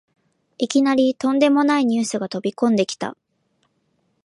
いきなりとんでもないニュースが飛びこんできた